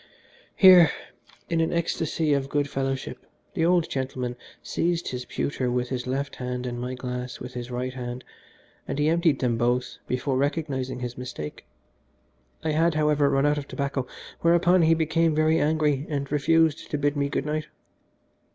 Here, in an ecstasy of good fellowship, the old gentleman seized his pewter with his left hand and my glass with his right hand, and he emptied them both before recognising his mistake. I had, however, run out of tobacco, whereupon he became very angry, and refused to bid me good night.